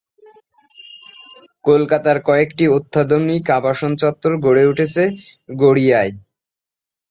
কলকাতার কয়েকটি অত্যাধুনিক আবাসন চত্বর গড়ে উঠেছে গড়িয়ায়।